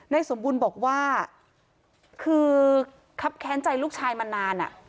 สมบูรณ์บอกว่าคือครับแค้นใจลูกชายมานาน